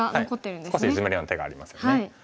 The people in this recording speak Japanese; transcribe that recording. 少しイジメるような手がありますよね。